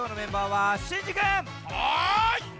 はい！